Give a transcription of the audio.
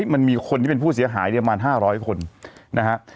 มันมีคนที่เป็นผู้เสียหายประมาณ๕๐๐คนนะฮะ